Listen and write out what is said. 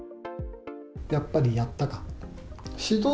やっぱりやったかと。